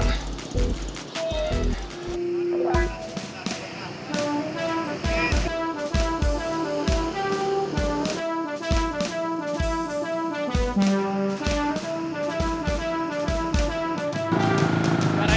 pengen jalan aja